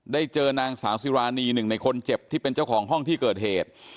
ได้เจอนางสาวสิรานีหนึ่งในคนเจ็บที่เป็นเจ้าของห้องที่เกิดเหตุ